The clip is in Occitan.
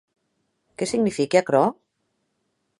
Qué signifique aquerò?